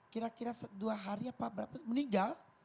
kira kira dua hari apa berapa meninggal